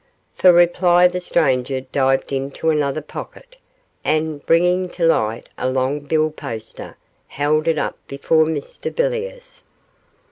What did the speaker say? For reply the stranger dived into another pocket, and, bringing to light a long bill poster, held it up before Mr Villiers.